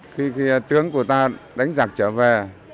khi tướng của ta đánh giặc trở về